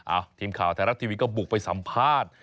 ทีมข่าวไทยรัฐทีวีก็บุกไปสัมภาษณ์